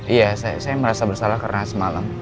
iya saya merasa bersalah karena semalam